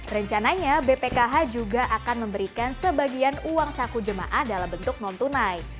rencananya bpkh juga akan memberikan sebagian uang saku jemaah dalam bentuk non tunai